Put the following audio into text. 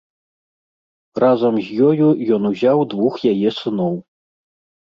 Разам з ёю ён узяў двух яе сыноў.